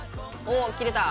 お切れた。